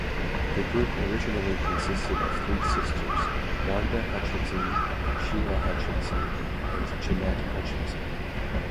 The group originally consisted of three sisters; Wanda Hutchinson, Sheila Hutchinson and Jeanette Hutchinson.